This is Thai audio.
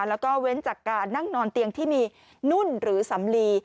แล้วก็เว้นจากการนั่งนอนเตียงที่มีนุ่นหรือสำลี